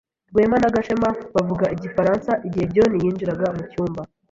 Rwema na Gashema bavugaga igifaransa igihe John yinjiraga mucyumba.